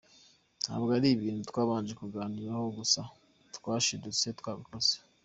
Ntabwo ari ibintu twabanje kuganiraho gusa twashidutse twabikoze.